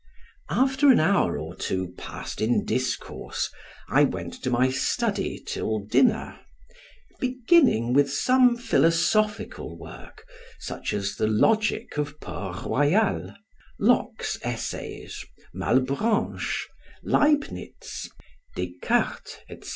After an hour or two passed in discourse, I went to my study till dinner; beginning with some philosophical work, such as the logic of Port Royal, Locke's Essays, Mallebranche, Leibtnitz, Descartes, etc.